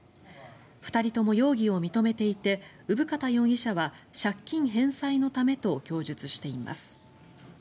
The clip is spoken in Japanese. ２人とも容疑を認めていて生方容疑者は借金返済のためと供述しています。